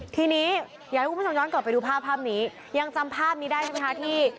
ทีนี้อยากให้คุณผู้ชมย้อนกลับไปดูภาพภาพนี้ยังจำภาพนี้ได้ใช่ไหมคะที่